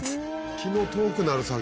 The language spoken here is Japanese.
気の遠くなる作業。